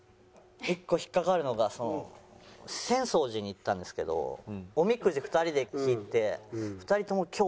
１個引っかかるのが浅草寺に行ったんですけどおみくじ２人で引いて２人とも凶だったんですよ。